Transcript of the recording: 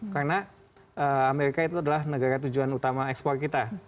karena amerika itu adalah negara tujuan utama ekspor kita